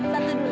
jangan lupa ya